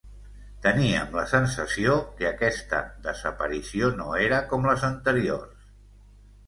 Teníem la sensació que aquesta desaparició no era com les anteriors.